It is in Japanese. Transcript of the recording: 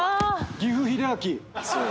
岐阜英明。